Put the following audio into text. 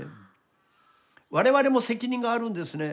我々も責任があるんですね。